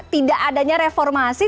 tidak adanya reformasi